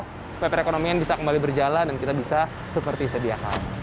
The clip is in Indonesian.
supaya perekonomian bisa kembali berjalan dan kita bisa seperti sediakan